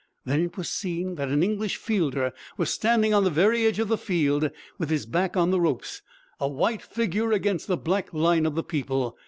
Then it was seen that an English fielder was standing on the very edge of the field with his back on the ropes, a white figure against the black line of the people.